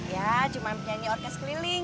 ya cuman penyanyi orkest keliling